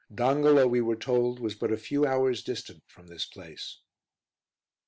Dongola, we were told, was but a few hours distant from this place.